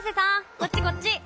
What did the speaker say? こっちこっち！